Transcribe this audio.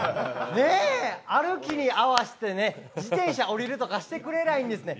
歩きに合わせてね、自転車降りるとかしてくれないんですね。